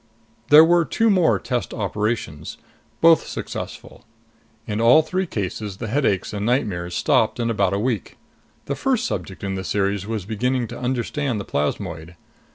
There were two more test operations, both successful. In all three cases, the headaches and nightmares stopped in about a week. The first subject in the series was beginning to understand the plasmoid.